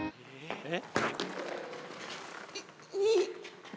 えっ！